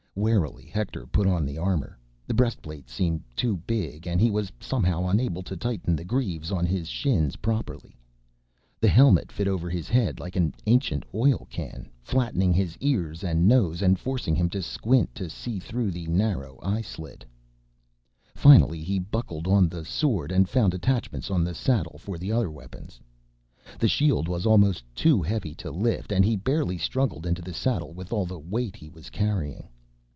Warily, Hector put on the armor. The breastplate seemed too big, and he was somehow unable to tighten the greaves on his shins properly. The helmet fit over his head like an ancient oil can, flattening his ears and nose and forcing him to squint to see through the narrow eye slit. Finally, he buckled on the sword and found attachments on the saddle for the other weapons. The shield was almost too heavy to lift, and he barely struggled into the saddle with all the weight he was carrying.